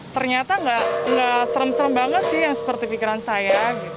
ternyata nggak serem serem banget sih yang seperti pikiran saya